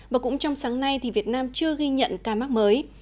và cũng trong sáng nay thì việt nam chưa ghi nhận ca mắc mới